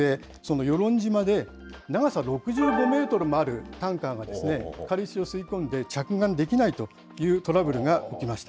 与論島で長さ６５メートルもあるタンカーが、軽石を吸い込んで着岸できないというトラブルが起きました。